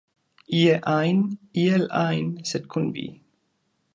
Ie ajn, iel ajn, sed kun vi!